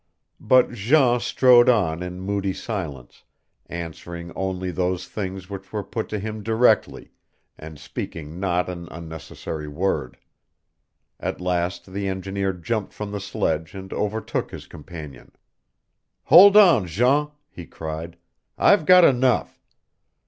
But Jean strode on in moody silence, answering only those things which were put to him directly, and speaking not an unnecessary word. At last the engineer jumped from the sledge and overtook his companion. "Hold on, Jean," he cried. "I've got enough.